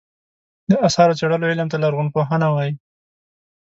د اثارو څېړلو علم ته لرغونپوهنه وایې.